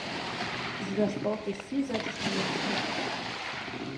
Sie war sportlich vielseitig talentiert.